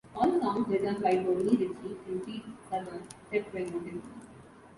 All songs written by Tony Ritchie and Pete Southern, except where noted.